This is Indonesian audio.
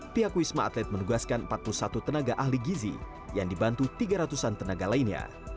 pihak wisma atlet menugaskan empat puluh satu tenaga ahli gizi yang dibantu tiga ratus an tenaga lainnya